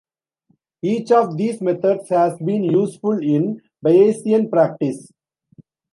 Each of these methods has been useful in Bayesian practice.